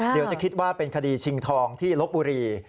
เดี๋ยวจะคิดว่าเป็นคดีชิงทองที่ลบบุรี